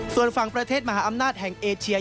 ส่วนฝั่งประเทศมหาอำนาจแห่งเอเชีย